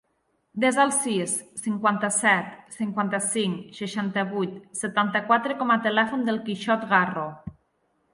Desa el sis, cinquanta-set, cinquanta-cinc, seixanta-vuit, setanta-quatre com a telèfon del Quixot Garro.